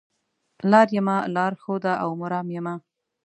لار یمه لار ښوده او مرام یمه